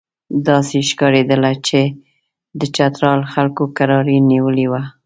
داسې ښکارېدله چې د چترال خلکو کراري نیولې وه.